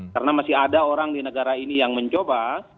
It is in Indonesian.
karena masih ada orang di negara ini yang mencoba